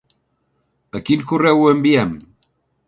A quin correu ho enviem?